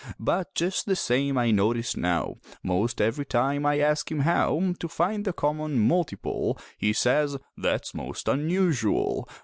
But just the same I notice now Most every time I ask him how To find the common multiple, He says, "That's most unusual!